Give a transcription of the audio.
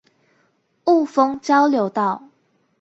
霧峰交流道